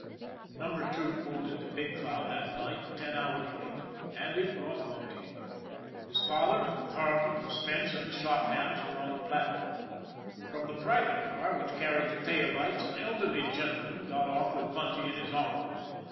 NUMBER Two pulled into Big Cloud that night ten hours late, and it brought Bunty. His father and Carleton and Spence and the shop hands were on the platform. From the private car, which carried the tail lights, an elderly gentleman got off with Bunty in his arms.